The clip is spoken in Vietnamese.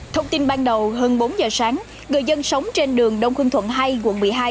thông tin ban đầu hơn bốn giờ sáng người dân sống trên đường đông khương thuận hai quận một mươi hai